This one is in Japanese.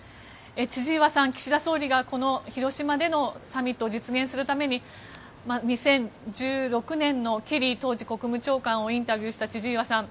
千々岩さん、岸田総理がこの広島でのサミットを実現するために２０１６年の当時のケリー国務長官をインタビューした千々岩さん